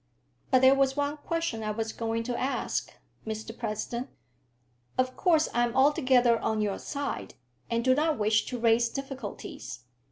"But there was one question I was going to ask, Mr President. Of course I am altogether on your side, and do not wish to raise difficulties.